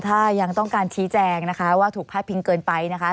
ถ้ายังต้องการชี้แจงนะคะว่าถูกพาดพิงเกินไปนะคะ